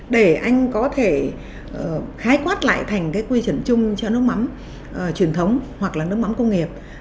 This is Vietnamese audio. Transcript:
để anh có thể khái quát lại thành cái quy chuẩn chung cho nước mắm truyền thống hoặc là nước mắm công nghiệp